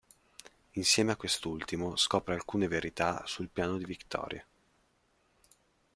Insieme a quest'ultimo scopre alcune verità sul piano di Victoria.